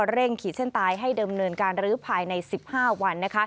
ขีดเส้นตายให้เดิมเนินการรื้อภายใน๑๕วัน